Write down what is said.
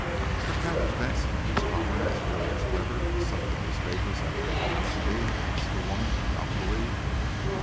"Are Captain Benson and his comrades really as clever as some of the newspapers have made them out to be?" asked the woman doubtfully.